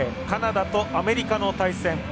カナダとアメリカの対戦。